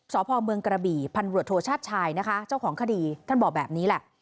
สพเมืองกระบี่พันรวจโทชาติชายนะคะเจ้าของคดีท่านบอกแบบนี้แหละ